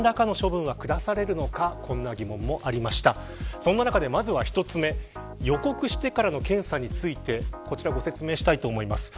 そんな中でまずは１つ目予告してからの検査についてこちらご説明したいと思います。